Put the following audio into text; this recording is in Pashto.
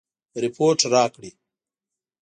رپوټ راکړي.